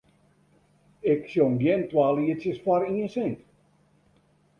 Ik sjong gjin twa lietsjes foar ien sint.